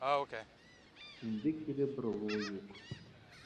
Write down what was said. Инде кире боролоу юҡ.